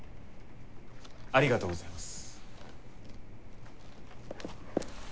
ありがとうございます。